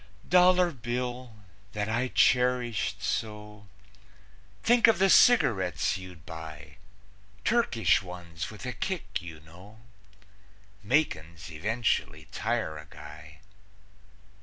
Dollar Bill, that I cherished so, Think of the cigarettes you'd buy, Turkish ones, with a kick, you know; Makin's eventually tire a guy.